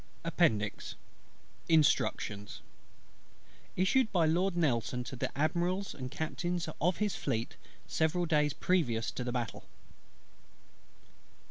APPENDIX. INSTRUCTIONS Issued by LORD NELSON to the Admirals and Captains of his Fleet, several days previous to the Battle.